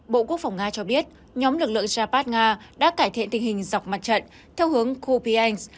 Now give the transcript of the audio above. bộ quốc phòng nga cho biết nhóm lực lượng japad nga đã cải thiện tình hình dọc mặt trận theo hướng kopein